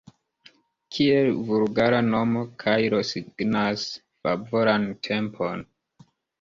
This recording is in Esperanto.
Kiel vulgara nomo kairo signas favoran tempon.